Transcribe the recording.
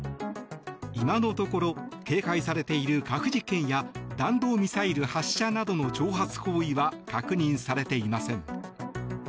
今のところ、警戒されている核実験や弾道ミサイル発射などの挑発行為は確認されていません。